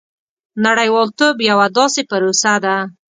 • نړیوالتوب یوه داسې پروسه ده.